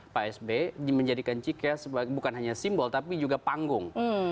psb menjadikan cikea bukan hanya simbol tapi juga panggung